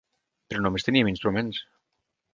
Però només teníem instruments.